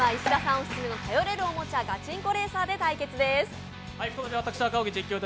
オススメの頼れるおもちゃ、ガチンコレーサーで対決です。